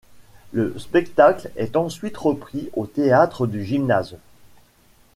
Le spectacle est ensuite repris au théâtre du Gymnase.